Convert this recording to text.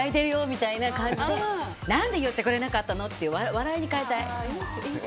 みたいな感じで何で言ってくれないの！って笑いに変えたい。